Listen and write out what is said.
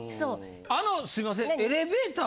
あのすいません。